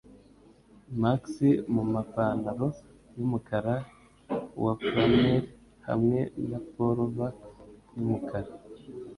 Max mumapantaro yumukara wa flannel hamwe na pullover yumukara